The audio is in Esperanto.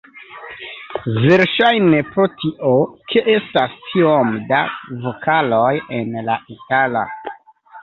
Verŝajne pro tio, ke estas tiom da vokaloj en la itala.